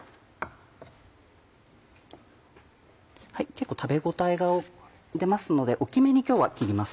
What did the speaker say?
結構食べ応えが出ますので大きめに今日は切ります。